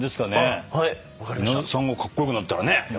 稲田さんがカッコ良くなったらね！